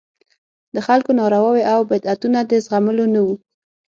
د خلکو نارواوې او بدعتونه د زغملو نه وو.